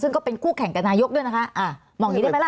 ซึ่งก็เป็นคู่แข่งกับนายกด้วยนะคะอ่ามองอย่างนี้ได้ไหมล่ะ